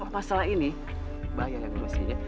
masalah ini bahaya lagi mesinnya